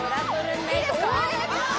いいですか？